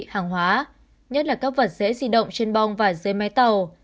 hàng hóa nhất là các vật dễ di động trên bong và dưới máy tàu